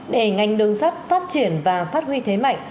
để ngành đường sắt phát triển và phát huy thế mạnh